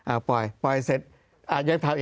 อ้าวเข้าไป